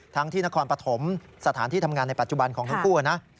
ที่นครปฐมสถานที่ทำงานในปัจจุบันของทั้งคู่นะ